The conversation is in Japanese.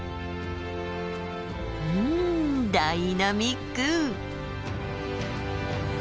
うんダイナミック。